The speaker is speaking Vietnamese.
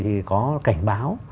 thì có cảnh báo